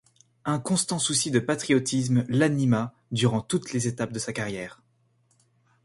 Un constant souci de patriotisme l'anima durant toutes les étapes de sa carrière.